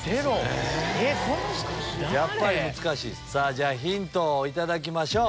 じゃあヒントを頂きましょう。